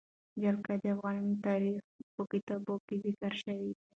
جلګه د افغان تاریخ په کتابونو کې ذکر شوی دي.